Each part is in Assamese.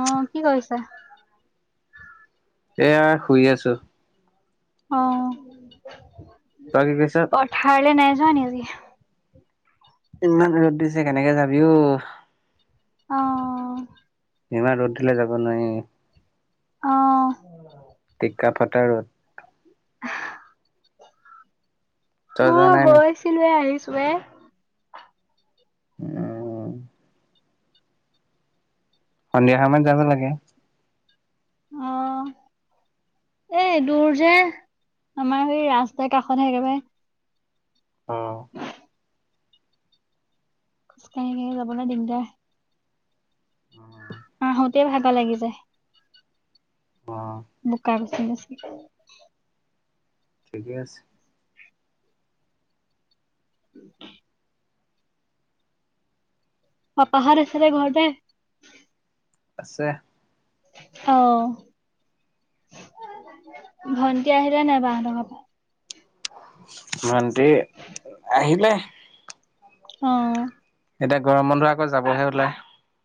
অ কি কৰিছা এয়া শুই আছো অ তই কি কৈছ পথাৰলে নাই যোৱা নি ইমান ৰদ দিছে কেনেকে যাবি ও অঁ ইমান ৰদ দিলে যাব নোৱাৰি অ টিকা ফটা ৰদ তই যোৱা মই নাই নি বগৈছিলোয়ে আহিছো [unintelligible] [unintelligible] উম [unintelligible] [inaudible] সন্ধিয়া সময়ত যাব লাগে অহ এ দূৰ যে আমাৰ সেই ৰাস্তাৰ কাষতহে একেবাৰে অ খোজ কাঢ়ি কাঢ়ি যাবলে দিগদাৰ অ [inaudible] আহোঁতে ভাগৰ লাগি যায়। অ [unintelligible] ঠিকেই আছে। উ [inaudible] অ পাহাৰ আছিলে ঘৰতে আছে অহ ভন্টি আহিলে নাই বাৰ টকা ভন্টি আহিলে অ এতিয়া গৰম বন্ধু আকৌ যাবহে ওলায়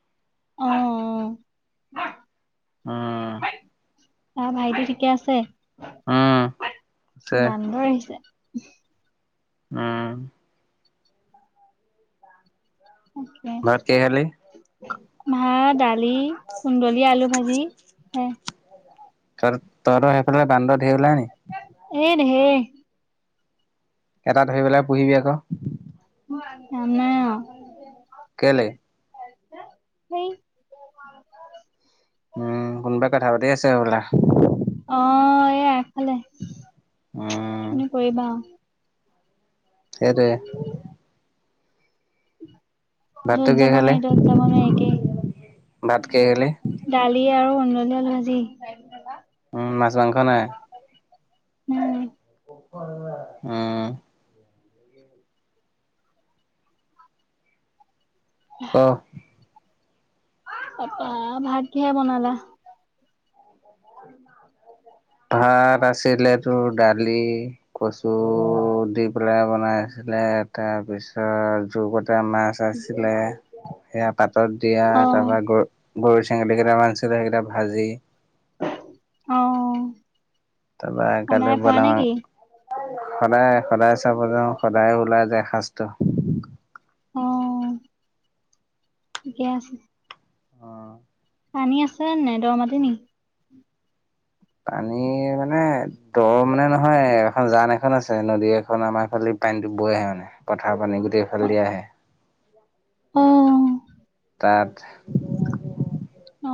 অহ অ উম আহ ভাইটিউ ঠিকে আছে উম আছে বান্দৰ আহিছে উ উম অকে ভাত কিহে খালি মাহ দালি কুন্দলি আলু ভাজি হে ত তৰ সেইফালে বান্দৰ ধেৰ ওলাই নেকি হে- এটাত ধৰি পেলাই পুহিবি আকৌ। আ নাই। কেলে? সেই উম কোনোবাই কথা পাতি আছছে বোলে। অ এ এগফলে উম তুমি কৰিবা উম। সেইটোৱে। ভাতটো যত কিহে যাবনে খালি? যত যাব নুৱাই একেই। ভাত কিহে খালি? দালি আৰু অনধল ভাজি। উম মাছ মাংস নাই। উম উম। অহ। তাপা ভাত কিহে বনালা? উ [unintelligible] [inaudible] ভাত আছিলে তোৰ দালি কচু দি পেলাই বনাই আছিলে তাৰপিছত যুগত এটা মাছ আছিলে সেয়া পাতত দিয়া অ তাৰ পৰা গ- গৰৈ, চেঙেলী কেইটা মান আছিলে সেইকেইটা ভাজি। অহ। তাপা কালি বইলাৰ মাংস সদায় সদায় চাব যাওঁ সদায় ওলাই যায় এসাঁজটো। অ ঠিকে আছে। অ পানী আছে নে দ মাতি নি? পানী মানে দৰ মানে নহয় এখন জান এখন আছে নদী এখন আমাৰ ফালি - পানীত বৈ আহে মানে পথাৰ পানী গোটেইফাল অ দিয়া আহে। অ তাত- অ।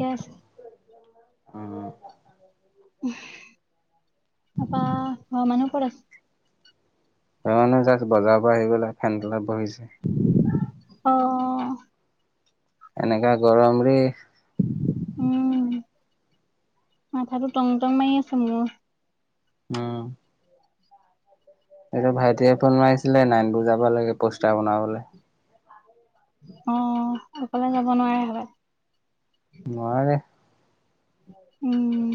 গেছ- উম। তাপা ঘৰ মানুহ ক'ত আছে? ঘৰ মানু্হ জাষ্ট বজাৰৰ পৰা আহি গলে ফেন তলত বহিছে। অ এনেকাে গৰম ৰে। উম মাথাটো টংটং মাৰি আছে মোৰ। উম। এইটো ভাইটিয়ে ফোন মাৰিছিলে নাইন বুজাব লাগে পষ্টাৰ বনাবলৈ। আহ অকলে যাব নোৱাৰাৰে হলে। নোৱাৰে। উম।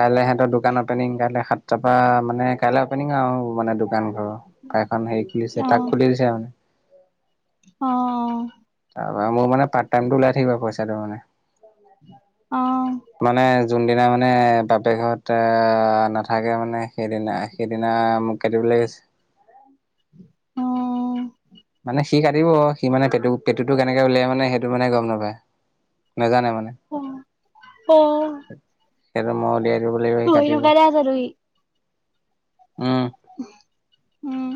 কাইলে সিহঁতৰ দোকান অপেনিং কাইলে সাতটা পৰা মানে কাইলৈ আপেনিং আৰু মানে দোকান ঘৰ আৰু এখন হেৰি খুলিছে তাক অ', খুলি দিছে মানে। অ। ত মোৰা মানে পাৰ্ট টাইমটো ওলাই থাকিব পইচাটো মানে। আহ। মানে যোনদিনা মানে বাপেক ঘত নাথাকে মানে সেইদিনা সেইদিনা প্লেজ [inaudible] অ', মানে সি কাটিব সি মানে পেটু পেটুতটো কেনেকে উলিয়াই মানে সেইটো মানে গম নাপায় নেজানে মানে। অ অ। সেইটো মই উলিয়াই দিব লাগিব সি পঢ়ি কাটিব। থকাতে আছা তুমি? উম উম।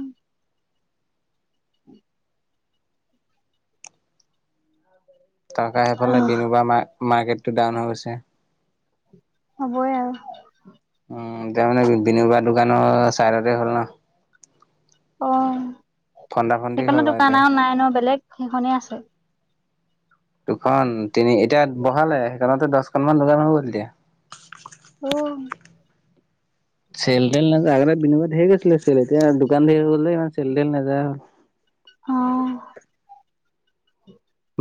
তহঁতৰ সেইফালে আহ, বিনোবা মাৰ্কেটটো ডাউন হৈ গৈছে। হ'বই আৰু। উম তাৰ মানে বিনোবা দোকানৰ চাইডতে হ'ল ন। অ ফন্দা ফন্দি সেইকনত হ'ল দোকান এতিয়া। আৰু নাই ন বেলেগ সেইখনেই আছে? দুখন, তিনি এতিয়া বহালে সেইকনতে দচখনমান দোকান হৈ গ'ল এতিয়া। ঔ। চেল-তেল নাযায় আগতে বিনো বা ধেই গৈছিলে চেল এতিয়া দোকান ধেই হৈ গ'ল ইমান চেল-তেল নাযায় হ'ল। অ।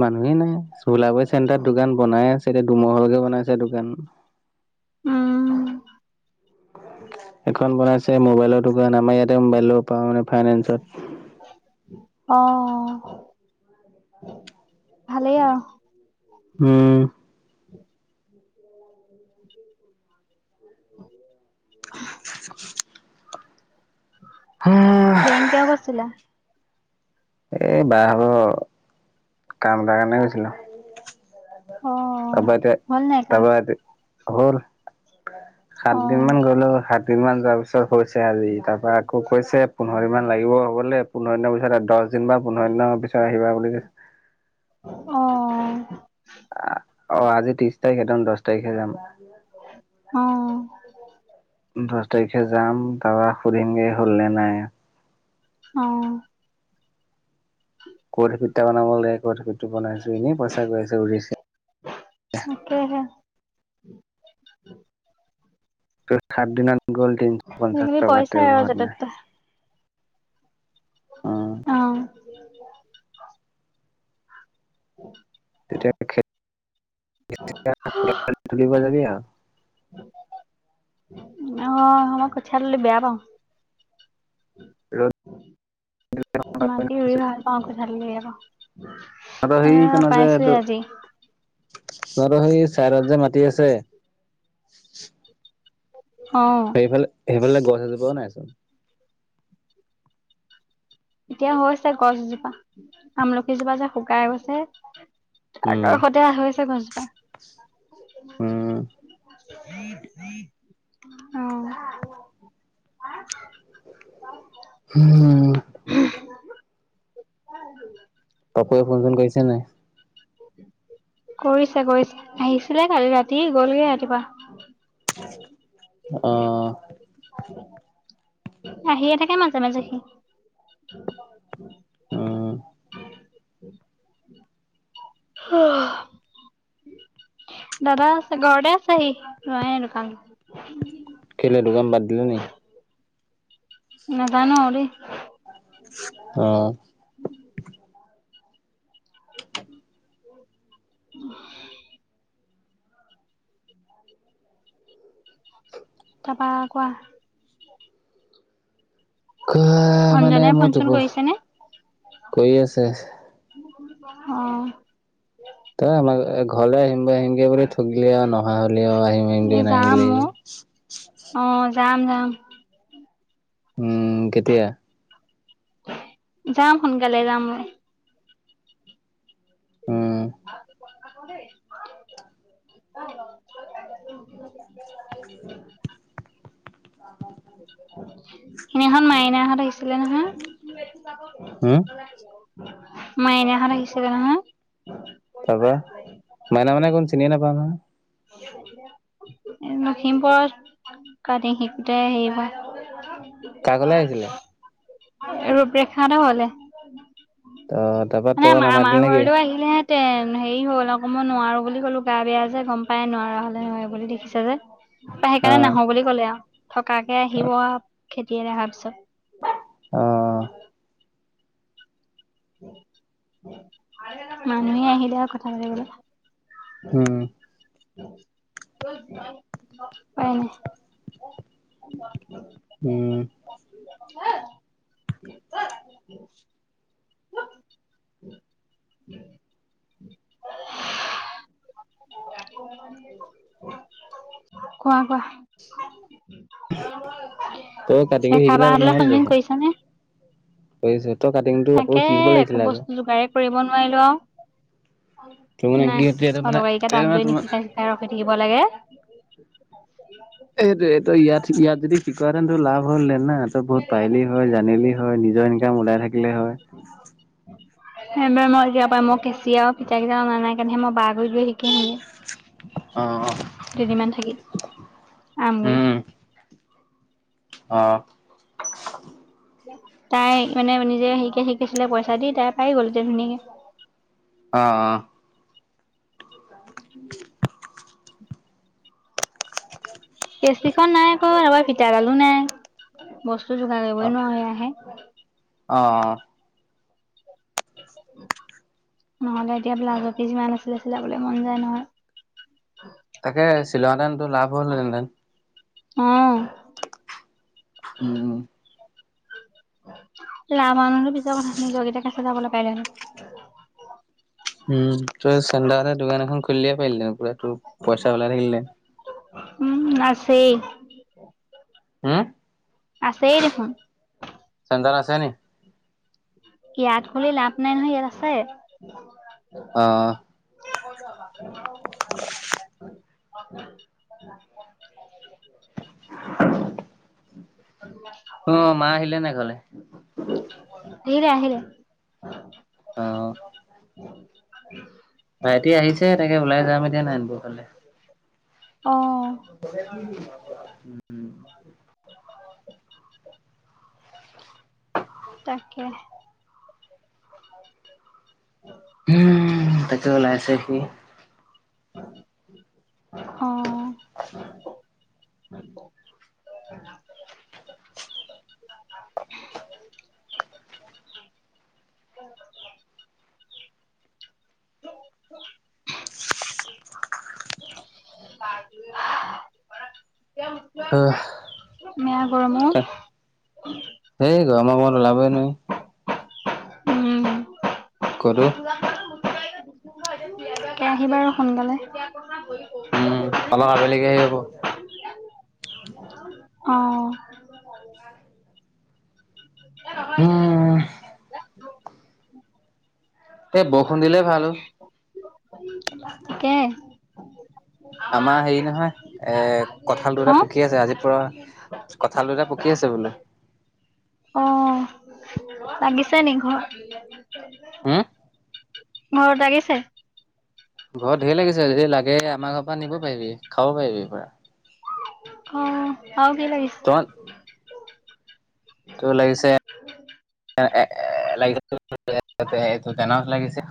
মানুহেই নাই চোলাবৰী চেণ্টাৰত দোকান বনাই আছে এতিয়া দুমহলকে বনাইছে দোকান উম, খন বনাইছে মোবাইলৰ দোকান আমাৰ ইয়াতে মোবাইল ল'ব পাৰ মানে ফাইনেন্সত। অ অ ভালেই আৰু। উম। [inaudible] বেংক কিয় গৈছিলা? এই বাভাগৰ কাম এটাৰ কাৰণে গৈছিলো। অ', তাৰপা এতিয়া হ'ল নাই কাম? তাৰপা এতিয়া হ'ল। সাত দিন অ', মান গ'লো সাত দিন মান যোৱাৰ পিছত হৈছে আজি তাৰ বা আকৌ কৈছে পোন্ধৰ দিন মান লাগিব হবনে পোন্ধৰ দিনৰ পিছত দচ দিন বা পোন্ধৰ দিনৰ পিছত আহিবা বুলি কৈছে। অ', অহ অ আজি ত্ৰিছ তাৰিখ একদম দচ তাৰিখে যাম। অ', দচ তাৰিখে যাম তাপা সুধিম গে হল নে নাই। অ। কৰ্টএফিত এটা বনাব লাগে কৰ্টএফিতটো বনাইছো এনেই পইচা গৈ আছে উৰিছে তাকেহে। সাত দিনত গ'ল তিনশ পঞ্চাশ আজিকালি টকা পইচাই তেল আৰু ভৰাও য'তে তেনে। ত'তে অ। উম তেতিয়া [unintelligible] অ মই কঠিয়া তুলি বেয়া পওঁ। ৰ'দ মাটি ৰুই ভাল পাওঁ, কঠিয়া তুলি বেয়া পাওঁ। আৰু সেইকনৰ যে তোৰ এইটো তহঁতৰ সেই চাইদত যে মাতি আছে [unintelligible] অ সেইফালে সেইফালে গছ এজোপাওঁ নাইচোন। এতিয়া হৈছে গছ এজোপা আমলখিজোপা যে শুকাই গৈছে তাৰ উম কাষতে হৈছে গছজোপা। উম [unintelligible] অ। উম। [unintelligible] পাপুয়ে ফোন-চোন কৰিছে নাই? কৰিছে কৰিছে আহিছিলে কালি ৰাতি গ'লগে ৰাতিপুৱা। [unintelligible] অহ। আহিয়ে থাকে মাজে মাজে সি। উম উ [unintelligible] অ' দাদা আছে ঘৰতে আছেহি যোৱাই নাই দোকান। কেলে দোকান বাদ দিলি নি নাজানো দেই। অ, উ [inaudible] তাপা কোৱা? এ কোৱা মানে অঞ্জনাই ফোন মোক চোন কৰিছেনে কৰি আছে। অ তই আমাৰ ঘৰলে আহিম বৈ আহিমগৈ বুলি থঠগিলি আৰু নহা হলেও এই আহিম-আহিমগৈ যাম নাহিলি। অ অ' যাম-যাম। উম, কেতিয়া যাম সোনকালে যাম মই। উম তে [inaudible] [unintelligible] সেইদিনাখন মাইনা হঁত আহিছিলে নহয়। হম মাইনা হঁত আহিছিলে নহয়। তাৰাপা মাইনা মে কোন চিনিয়ে নাপাও নহয়। [inaudible] লখিমপুৰ কাতি শিকোটাই হেৰী হব। কা ঘৰলে আহিছিলে। ৰূপৰেখা হত ঘৰলে। ত তাৰপা মানে তই আম নামাতিলি আমাৰ নেকি ঘৰলে আহিলে হেতেন। তেন হেৰি হ'ল আকৌ মই নোৱাৰো বুলি ক'লো গা বেয়া যে গম পাই নোৱাৰা হ'লেয় বুলি দেখিছো যে। অ সেইকাৰণে নাহো বুলি কলে আৰু থকাকে আহিব খেতিয়েৰা অহাৰ পিছত। অ', উাই [unintelligible] মানুহে আহিলে আৰু কথা উম পাতিবলে হয় [unintelligible] হয়া নাই। উম উ [unintelligible] হ [unintelligible] [inaudible] [inaudible] কোৱা-কোৱা? তই এ কাটিংটো খাব শিকিলা হলে নহয় ফোন-চোণ কৈচোন কৰিচানে? কৰিছো তই কাটিংটো আকৌ তাকে শিকিব একো লাগিছিলে আকৌ বস্তু যোগাৰ কৰিব নোৱাৰিলো আৰু। তোৰ মানে কি নাই এইটো মানে অটৰকাৰীকে এই তাত মানে গৈ তোমাৰ নিশিকা হিকাই ৰখি থাকিব লাগে। সেইটো এইটো-ইয়াত-ইয়াত যদি শিকোৱাহেতেনটো লাভ হ'ল না। ত বহুত পাৰিলি হয় জানিলি হয় নিজৰ ইনকাম ওলাই থাকিলে হয়। সেইাৰে মই এতিয়া পাই মই কেঁচি আৰু পিঠা কেইটা অনা নাই কাৰণে মই বাঘ [unintelligible] বজিব সেইিক অ [inaudible] দুদিন মান থাকি আমগৈ উম অ, তাই মানে নিজে শিকে শিকিছিলে পইচা দি তাই পাই গ'ল হৈ ধুনীয়াকে। অ-অ, [inaudible] কেচি খম নাই আকৌ তৰপা ফিতাডালো নাই বস্তু যোগাৰ কৰিবই নোৱাৰা হৈ আহে। হয় [inaudible] অহ-অহ, [inaudible] নহ'লে এতিয়া ব্লাাজ পিছ যিমান আছিলে চিলাবলে মন যায় নহয় তাকে চিলোৱাহেঁতেন তোৰ লাভ হ'লহেতেন অ উম লৰা মানুহো পিছৰ কথা নিজৰকেইটাকে চিলাবলৈ পাৰিলেহেঁতেন উম তোৰ চা দোকান এখন খুলিয়ে পাৰিলে পুৰা তোৰ পইচা ওলাই থাকিলে উম নাছেই হম আছে দেখোন আন্দাৰ আছে নি ইয়াত খুলি লাভ নাই নহয় ইয়াত আছে অ', [inaudible] [inaudible] অ মা আহিলে নাই ঘৰলৈ হেইৰি আহিলে অ [inaudible] ভাইটি আহিছে তেনেকে ওলাই যাম এতিয়া নাৰায়ণপুৰ ফালে অ [inaudible] [inaudible] তাকে উম তাকে ওলাইছে সি [unintelligible] অ অহ মো গৰমো সেই গৰম মাহত ওলাবই নোৱাৰি উম কৰো তাকে আহিবা আৰু সোনকালে উম আবেলিকা হেৰি হ'ব অ উম এই বৰষুণ দিলে ভালো কে আমাৰ হেৰি নহয় এ কঁঠাল দুটা হা পকি আছে আজি পুৰা কথা দুটা পকি আছে বোলো অ লাগিছে নি ঘৰত হু ঘৰত লাগিছে ঘৰত ঢেৰ লাগিছে যদি লাগে আমাৰ ঘৰ পৰা নিব পাৰিবি খাব পাৰিবি পুৰা অ আৰু কি লাগিছে তই [unintelligible] লাগি সটো তে নও লাগিছে